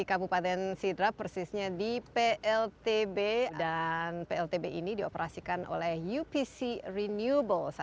we before we support of natuurlijk yang nilai yang sama